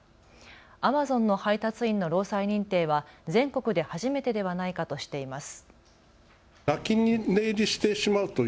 アマゾンの配達員の労災認定は全国で初めてではないかとしています。